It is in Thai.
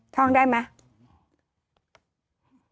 ท่องได้ไหม